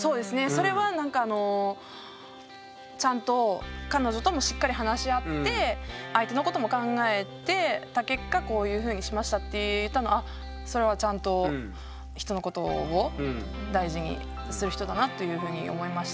それはちゃんと彼女ともしっかり話し合って相手のことも考えた結果こういうふうにしましたって言ったのはそれはちゃんとだなというふうに思いましたし。